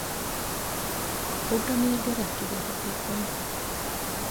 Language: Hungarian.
A kobra mérge rendkívül hatékony.